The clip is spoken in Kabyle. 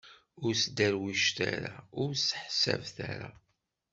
Ur sderwicet ara, ur sseḥsabet ara.